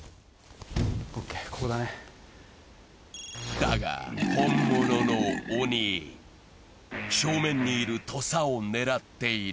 だが、本物の鬼、正面にいる土佐を狙っている。